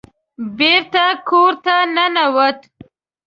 بېرته کور ته ننوت.